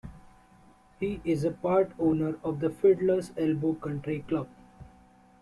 He is a part owner of the Fiddler's Elbow Country Club.